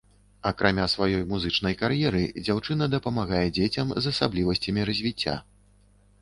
Акрамя сваёй музычнай кар'еры, дзяўчына дапамагае дзецям з асаблівасцямі развіцця.